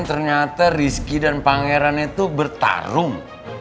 ternyata rizki dan pangeran itu bertarung